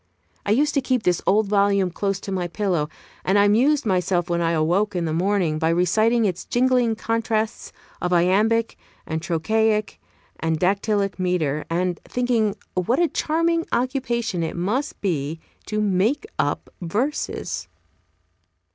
I used to keep this old volume close to my pillow; and I amused myself when I awoke in the morning by reciting its jingling contrasts of iambic and trochaic and dactylic metre, and thinking what a charming occupation it must be to "make up" verses.